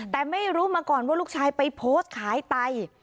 แต่ไม่รู้มาก่อนว่าลูกชายไปโพสต์ขายไต